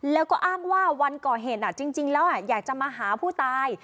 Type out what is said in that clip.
แล้วก็อ้างว่าวันก่อเหตุจริงแล้วอยากจะมาหาผู้ตาย